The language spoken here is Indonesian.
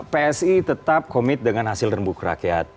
psi tetap komit dengan hasil rambu kerakyat